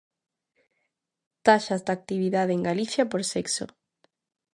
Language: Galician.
Taxas de actividade en Galicia por sexo.